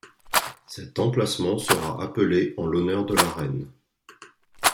Cet emplacement sera appelé en l'honneur de la reine.